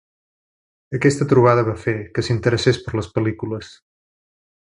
Aquesta trobada va fer que s'interessés per les pel·lícules.